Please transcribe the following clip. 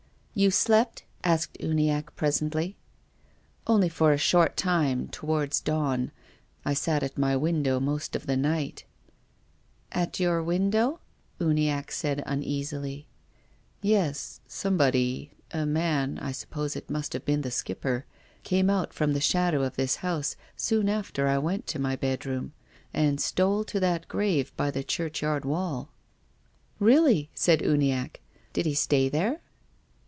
"You slept?" asked Uniacke presently. " Only for a short time towards dawn. I sat at my window most of the night." " At your window? " Uniacke said uneasily. "Yes. Somebody — a man — I suppose it must have been the Skipper — came out from the shadow of this house soon after I went to my bedroom, and stole to that grave by the churchyard wall." 53 54 TONGUES OF CONSCIENCE. " Really," said Uniacke. " Did he stay there